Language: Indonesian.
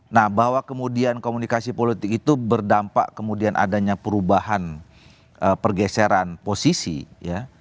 nah bahwa kemudian komunikasi politik itu berdampak kemudian adanya perubahan pergeseran posisi ya